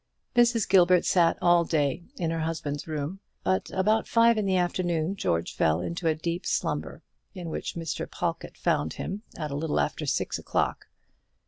Mrs. Gilbert sat all day in her husband's room; but about five in the afternoon George fell into a deep slumber, in which Mr. Pawlkatt found him at a little after six o'clock.